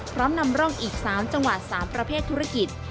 พร้อมนำร่องอีก๓จังหวัด๓ประเภทธุรกิจ